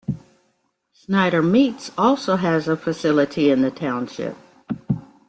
Schneider Meats also has a facility in the Township.